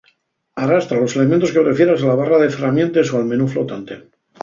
Arrastra los elementos que prefieras a la barra de ferramientes o al menú flotante.